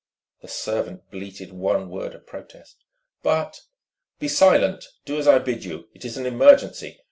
The servant bleated one word of protest: "But !" "Be silent. Do as I bid you. It is an emergency.